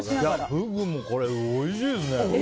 フグもおいしいですね。